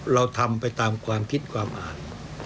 เราทำไปตามความคิดความอ่าน